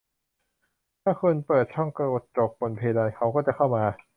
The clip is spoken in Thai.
ถ้าคุณเปิดช่องกระจกบนเพดาน เขาก็จะเข้ามา